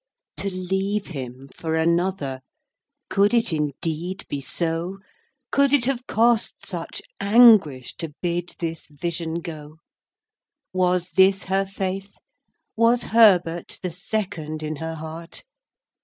X. To leave him for another: Could it indeed be so? Could it have cost such anguish To bid this vision go? Was this her faith? Was Herbert The second in her heart?